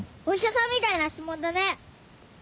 お医者さんみたいな質問だね！